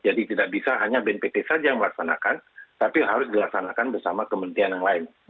jadi tidak bisa hanya bnpt saja yang melaksanakan tapi harus dilaksanakan bersama kementerian yang lain